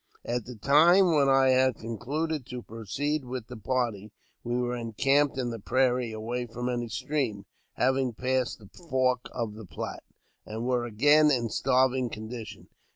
At the time when I had concluded to pro ceed with the party, we were encamped in the prairie, away from any stream (having passed the fork of the Platte), and were again in a starving condition.